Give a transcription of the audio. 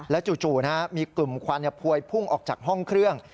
จู่มีกลุ่มควันพวยพุ่งออกจากห้องเครื่อง